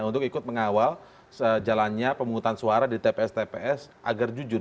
untuk ikut mengawal jalannya pemungutan suara di tps tps agar jujur